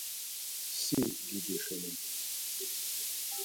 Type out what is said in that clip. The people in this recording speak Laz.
Si giduşunam.